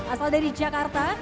asal dari jakarta